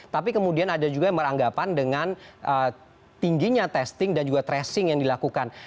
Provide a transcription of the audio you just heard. tapi kemudian ada juga yang beranggapan dengan tingginya testing dan juga tracing yang dilakukan